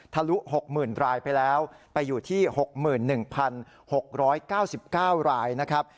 ลุ๖๐๐๐รายไปแล้วไปอยู่ที่๖๑๖๙๙รายนะครับ